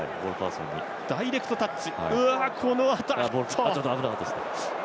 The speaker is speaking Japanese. ダイレクトキャッチ。